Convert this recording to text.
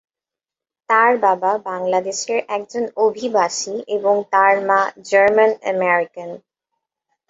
তার বাবা বাংলাদেশের একজন অভিবাসী এবং তার মা জার্মান-আমেরিকান।